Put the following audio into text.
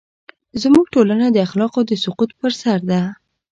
زموږ ټولنه د اخلاقو د سقوط پر سر ده.